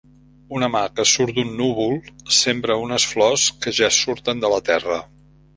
Una mà que surt d’un núvol sembra unes flors que ja surten de la terra.